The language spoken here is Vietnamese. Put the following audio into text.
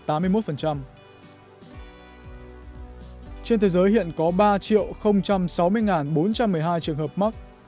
trên thế giới hiện có ba sáu mươi bốn trăm một mươi hai trường hợp mắc